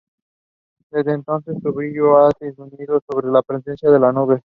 Desde entonces, su brillo habría disminuido debido a la presencia de la nube.